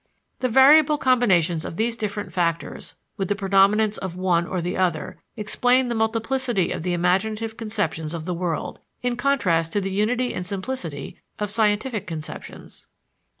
The variable combinations of these different factors, with the predominance of one or the other, explain the multiplicity of the imaginative conceptions of the world, in contrast to the unity and simplicity of scientific conceptions.